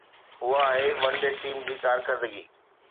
اها آهي one day team جي ڪارڪردگي